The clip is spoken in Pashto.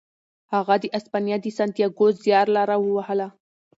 هغه د اسپانیا د سانتیاګو زیارلاره ووهله.